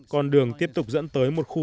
con đường tiếp tục dẫn tới một khu